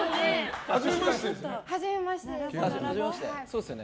はじめましてです。